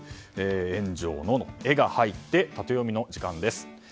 炎上の「エ」が入ってタテヨミの時間です。